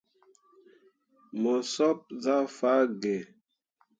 Mo sop zah fah gǝǝ.